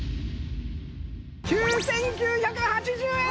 ９９８０円です！